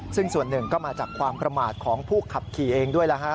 ซึ่งส่วนหนึ่งก็มาจากความประมาทของผู้ขับขี่เองด้วย